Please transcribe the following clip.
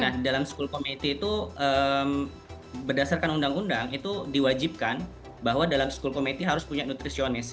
nah dalam school committee itu berdasarkan undang undang itu diwajibkan bahwa dalam school committi harus punya nutrisionis